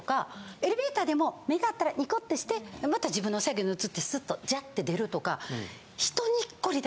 エレベーターでも目が合ったらニコッとしてまた自分のスッとじゃあって出るとか。